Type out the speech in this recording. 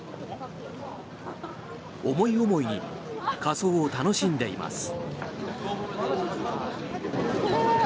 思い思いに仮装を楽しんでいます。